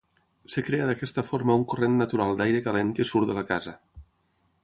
Es crea d'aquesta forma un corrent natural d'aire calent que surt de la casa.